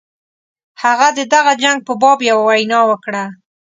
هغه د دغه جنګ په باب یوه وینا وکړه.